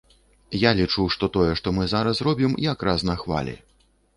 Я лічу, што тое, што мы зараз робім, як раз на хвалі.